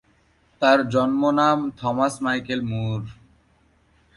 তার জন্মনাম Thomas Michael মুর।